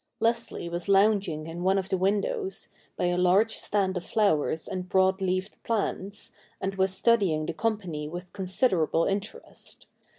Leslie was lounging in one of the windows, by a large stand of flowers and broad leaved plants, and was studying the company with considerable interest.